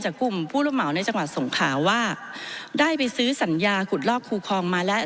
กลุ่มผู้รับเหมาในจังหวัดสงขาว่าได้ไปซื้อสัญญาขุดลอกคูคลองมาแล้ว